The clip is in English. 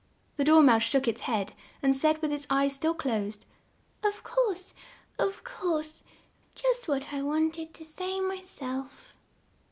The Dor mouse shook its head, and said with its eyes still closed, "Of course, of course; just what I want ed to say my self."